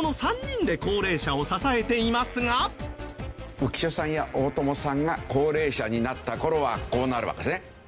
浮所さんや大友さんが高齢者になった頃はこうなるわけですね。